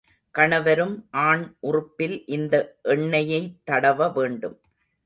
கணவரும் ஆண் உறுப்பில் இந்த எண்ணெய்யைத் தடவ வேண்டும்.